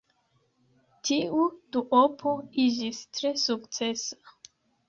Tiu duopo iĝis tre sukcesa.